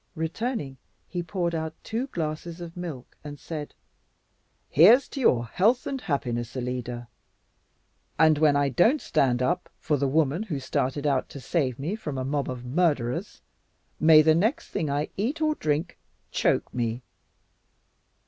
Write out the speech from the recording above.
Returning, he poured out two glasses of milk and said, "Here's to your health and happiness, Alida; and when I don't stand up for the woman who started out to save me from a mob of murderers, may the next thing I eat or drink choke me.